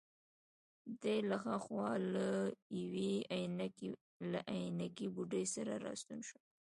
دی له هاخوا له یوې عینکې بوډۍ سره راستون شو.